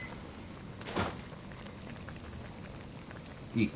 いい。